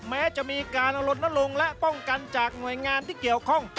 แม้จะมีการลนลงและป้องกันจากหน่วยงานที่เกี่ยวข้อง